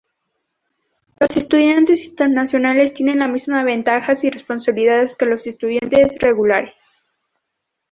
Los estudiantes internacionales tienen las mismas ventajas y responsabilidades que los estudiantes regulares.